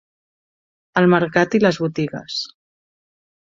El mercat i les botigues.